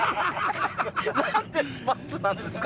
なんでスパッツなんですか？